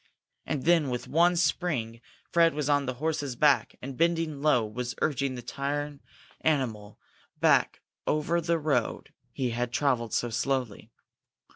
And then, with one spring, Fred was on the horse's back, and, bending low, was urging the tired animal back over the road he had travelled so slowly.